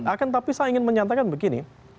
akan tapi saya ingin menyatakan begini